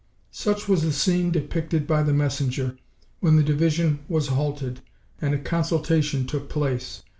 Such was the scene depicted by the messenger, when the division was halted, and a consultation took place.